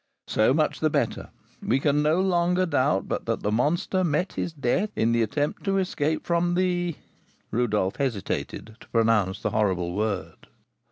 "So much the better! We can no longer doubt but that the monster met his death in the attempt to escape from the " Rodolph hesitated to pronounce the horrible word.